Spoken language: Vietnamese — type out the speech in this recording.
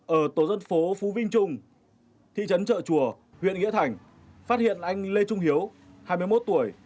ở tổ dân phố phú vinh trung thị trấn trợ chùa huyện nghĩa thành phát hiện anh lê trung hiếu hai mươi một tuổi